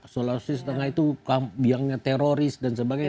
soleh setengah itu biangnya teroris dan sebagainya